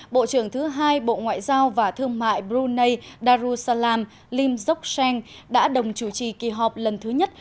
bộ trưởng thứ hai bộ ngoại giao và thương mại brunei darussalam lim jok đã đồng chủ trì kỳ họp lần thứ nhất